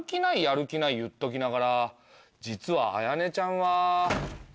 やる気ない言っときながら実は綾音ちゃんは。